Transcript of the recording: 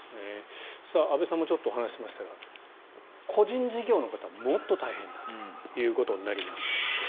安部さんもお話ししましたが個人事業の方はもっと大変だということになります。